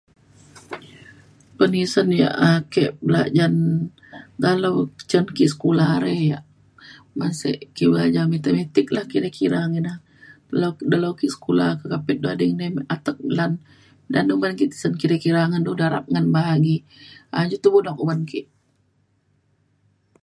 penisen ia' ake belajan dalo cen ke sekula are ia' masih kiwai ia' matematik lah kira kira ina. lau- dalo ke sekula ka Kapit ading atek lan dado barang ke tisen kira kira ngan du darab ngan bahagi jan tuak oban baan ke